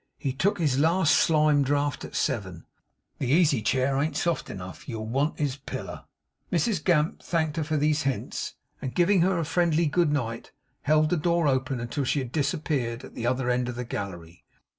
'He took his last slime draught at seven. The easy chair an't soft enough. You'll want his piller.' Mrs Gamp thanked her for these hints, and giving her a friendly good night, held the door open until she had disappeared at the other end of the gallery.